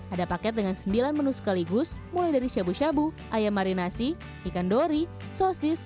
ada paket dengan sembilan menu sekaligus mulai dari shabu shabu ayam marinasi ikan dori sosis